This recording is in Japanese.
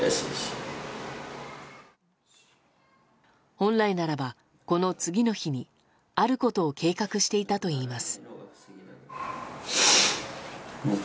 本来ながら、この次の日にあることを計画していたといいます。